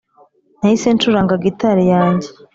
nahise ncuranga gitari yanjye